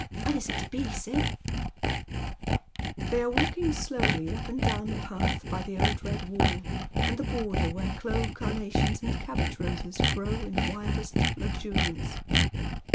When is it to be, Sib ?" They are walking slowly up and down the pi.th by the old red wall, and the border where clove carnations and cabbage ros?(j grow in wildest luxuriance.